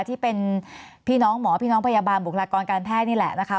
ที่เป็นพี่น้องหมอพี่น้องพยาบาลบุคลากรการแพทย์นี่แหละนะคะ